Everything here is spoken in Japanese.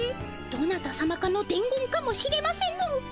どなたさまかのでん言かもしれませぬ。